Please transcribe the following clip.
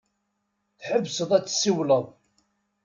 Tḥebseḍ ad tessiwleḍ.